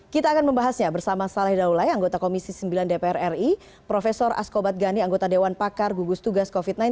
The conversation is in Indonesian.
kita akan membahasnya bersama saleh daulay anggota komisi sembilan dpr ri prof asko badgani anggota dewan pakar gugus tugas covid sembilan belas